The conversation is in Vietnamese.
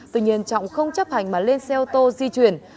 tuy nhiên trọng không chấp hành mà lên xe ô tô di chuyển